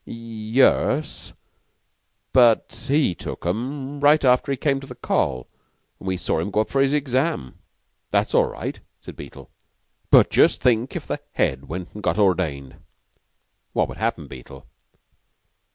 "Ye es, but he took 'em after he came to the Coll. We saw him go up for his exam. That's all right," said Beetle. "But just think if the Head went and got ordained!" "What would happen, Beetle?"